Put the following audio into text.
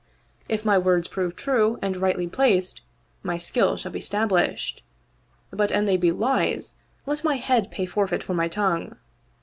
If my words prove true and rightly placed, my skill shall be stablished ; but an they be lies let my head pay forfeit for my tongue.